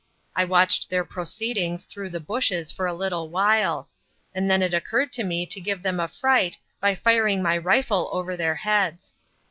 I watched their proceedings through the bushes for a little while, and then it occurred to me to give them a fright by firing my rifle over their heads.